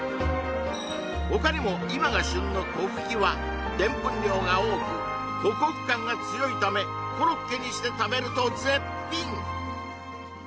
他にも今が旬のこふきはでんぷん量が多くホクホク感が強いためコロッケにして食べると絶品！